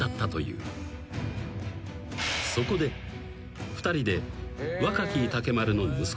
［そこで２人で］